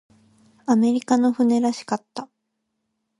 アメリカの船らしかった。